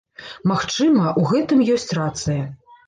Магчыма, у гэтым ёсць рацыя.